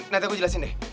nanti aku jelasin deh